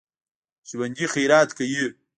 ژوندي خیرات کوي